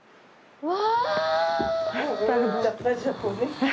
うわ！